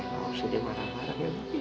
oh sudah marah marah